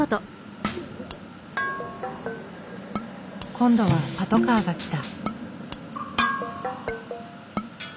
今度はパトカーが来た。